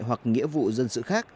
hoặc nghĩa vụ dân sự khác